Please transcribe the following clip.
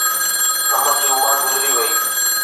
ڪم جي عمر گذري وئي